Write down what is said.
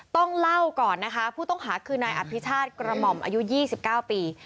ต้องเล่าก่อนนะคะผู้ต้องหาคือนายอภิชาติกระหม่อมอายุ๒๙ปี